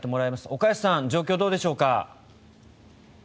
岡安さん状況はどうでしょうか。